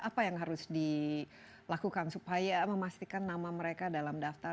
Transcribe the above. apa yang harus dilakukan supaya memastikan nama mereka dalam daftar